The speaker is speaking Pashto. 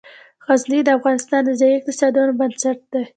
غزني د افغانستان د ځایي اقتصادونو بنسټ دی.